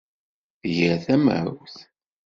Tger tamawt.